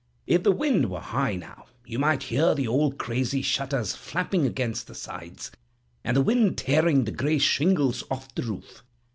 If the wind were high now, you might hear the old crazy shutters flapping against the sides, and the wind tearing the gray shingles off the roof.